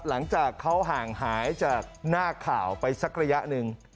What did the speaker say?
หลังจากเขาห่างหายจากหน้าข่าวไปสักระยะหนึ่ง